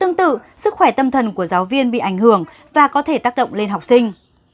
tương tự sức khỏe tâm thần của giáo viên bị ảnh hưởng và có thể tác động lên học sinh